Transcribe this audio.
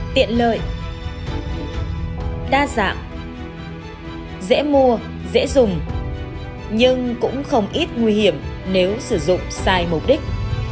tiện lợi đa dạng dễ mua dễ dùng nhưng cũng không ít nguy hiểm nếu sử dụng sai mục đích